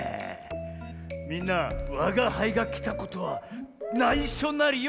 みんなわがはいがきたことはないしょなりよ